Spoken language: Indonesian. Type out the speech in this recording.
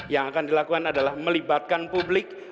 yang akan dilakukan adalah melibatkan publik